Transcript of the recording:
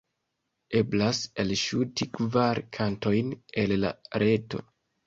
Eblas elŝuti kvar kantojn el la reto.